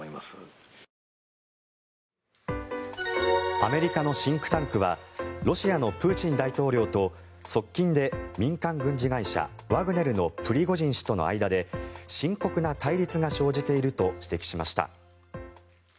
アメリカのシンクタンクはロシアのプーチン大統領と側近で、民間軍事会社ワグネルのプリゴジン氏との間で深刻な対立が生じていると指摘しました。